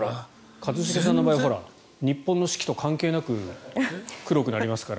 一茂さんの場合日本の四季と関係なく黒くなりますから。